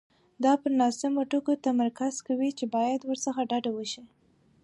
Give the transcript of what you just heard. دا پر ناسمو ټکو تمرکز کوي چې باید ورڅخه ډډه وشي.